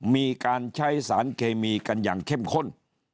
มีการใช้สารเคมีกันอย่างเข้มข้น